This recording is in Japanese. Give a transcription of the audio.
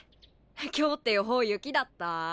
今日って予報雪だった？